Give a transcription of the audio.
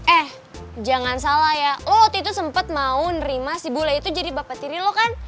eh jangan salah ya oh waktu itu sempat mau nerima si bule itu jadi bapak tiri lo kan